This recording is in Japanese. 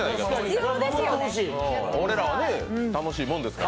俺らは楽しいもんですから。